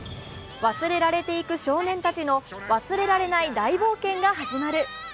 忘れられていく少年たちの忘れられない大冒険が始まる。